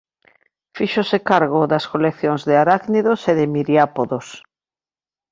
Fíxose cargo das coleccións de arácnidos e de miriápodos.